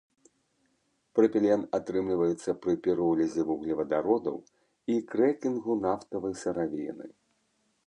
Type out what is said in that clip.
Прапілен атрымліваецца пры піролізе вуглевадародаў і крэкінгу нафтавай сыравіны.